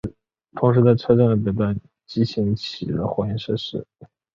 同时在车站的北端则兴起了货运设施。